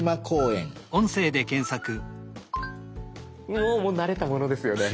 おもう慣れたものですよね。